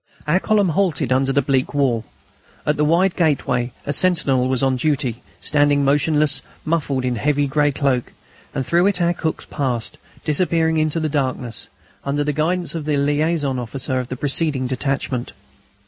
Our column halted under the bleak wall. At the wide gateway a sentinel was on duty, standing motionless, muffled in a heavy grey cloak; and through it our cooks passed, disappearing into the darkness, under the guidance of the liaison orderly of the preceding detachment.